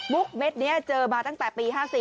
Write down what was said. เม็ดนี้เจอมาตั้งแต่ปี๕๔